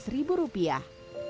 lima belas ribu rupiah